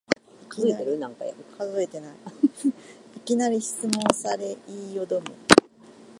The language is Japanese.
いきなり質問され言いよどむ